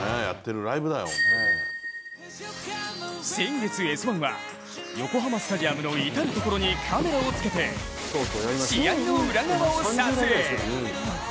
先月、「Ｓ☆１」は横浜スタジアムの至る所にカメラをつけて試合の裏側を撮影。